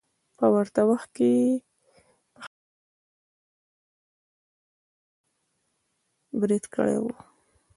په ورته وخت کې يې په ختيځې اروپا باندې بريد کړی وو